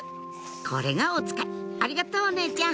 これがおつかいありがとうお姉ちゃん